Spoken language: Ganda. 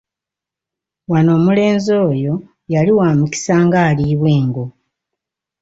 Wano omulenzi oyo yali wa mukisa ng'aliibwa engo.